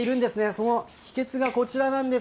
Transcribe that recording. その秘けつがこちらなんです。